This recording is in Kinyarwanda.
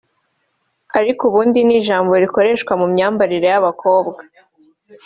ariko ubundi ni ijambo rikoreshwa mu myambarire y’abakobwa